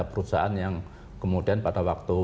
perusahaan yang kemudian pada waktu